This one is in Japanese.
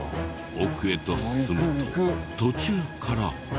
奥へと進むと途中から。